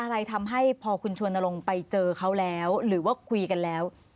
อะไรทำให้พอคุณชวนรงค์ไปเจอเขาแล้วหรือว่าคุยกันแล้ว